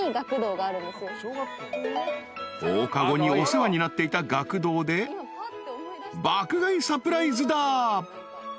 ［放課後にお世話になっていた学童で爆買いサプライズだ］